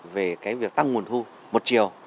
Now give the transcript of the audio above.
về cái việc tăng nguồn thu một chiều